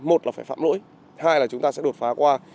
một là phải phạm lỗi thứ hai là chúng ta sẽ đột phá qua